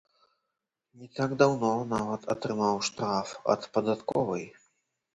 Не так даўно нават атрымаў штраф ад падатковай.